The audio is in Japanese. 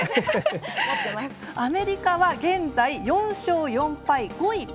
アメリカは現在４勝４敗５位